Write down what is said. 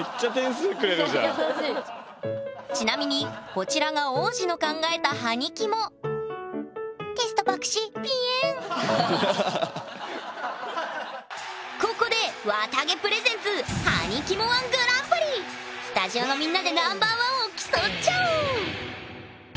ちなみにこちらが王子の考えたはにキモここでわたげプレゼンツスタジオのみんなでナンバーワンを競っちゃおう！